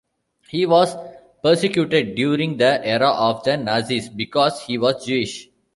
He was persecuted during the era of the Nazis because he was Jewish.